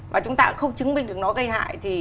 và chúng ta cũng không chứng minh được nó gây hại